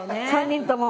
３人とも。